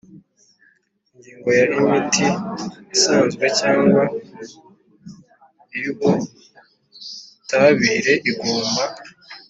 Ingingo ya Imiti isanzwe cyangwa iy ubutabire igomba